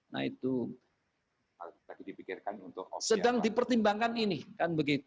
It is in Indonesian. nah itu sedang dipertimbangkan ini